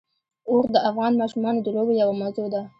اوښ د افغان ماشومانو د لوبو یوه موضوع ده.